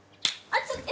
熱っ。